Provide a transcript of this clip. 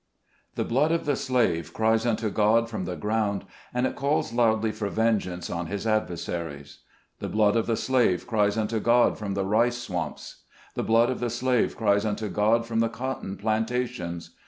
||HE blood of the slave cries unto God from the ground, and it calls loudly for vengeance on his adversaries. The blood of the slave cries unto God from the rice swamps. The blood of the slave cries unto God from the cotton plantations.